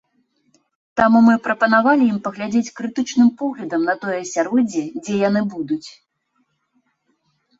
Таму мы прапанавалі ім паглядзець крытычным поглядам на тое асяроддзе, дзе яны будуць.